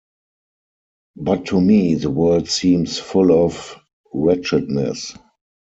But to me the world seems full of wretchedness.